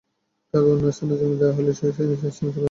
তাঁকে অন্য স্থানে জমি দেওয়া হলে তিনি সেই স্থানে চলে যাবেন।